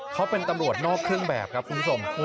เขาเป็นตำรวจนอกเครื่องแบบครับคุณผู้ชม